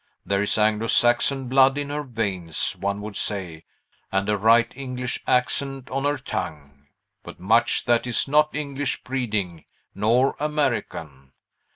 There is Anglo Saxon blood in her veins, one would say, and a right English accent on her tongue, but much that is not English breeding, nor American.